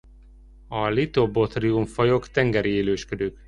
A Litobothrium-fajok tengeri élősködők.